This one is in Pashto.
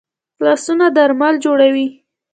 لاسونه درمل جوړوي